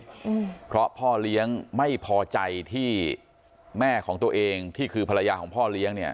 อืมเพราะพ่อเลี้ยงไม่พอใจที่แม่ของตัวเองที่คือภรรยาของพ่อเลี้ยงเนี้ย